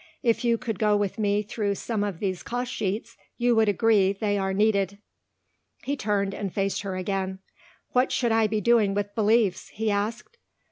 If you could go with me through some of these cost sheets you would agree they are needed." He turned and faced her again. "What should I be doing with beliefs?" he asked.